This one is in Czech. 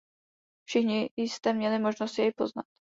Všichni jste měli možnost jej poznat.